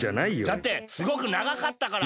だってすごくながかったから。